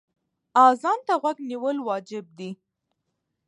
اذان ته غوږ نیول واجب دی.